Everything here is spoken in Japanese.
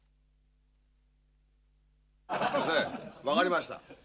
先生分かりました。